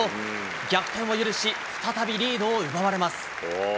逆転を許し、再びリードを奪われます。